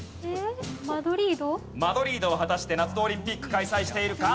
マドリード果たして夏のオリンピック開催しているか？